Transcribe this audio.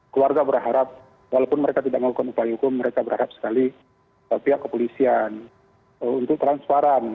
keluarga berharap walaupun mereka tidak melakukan upaya hukum mereka berharap sekali pihak kepolisian untuk transparan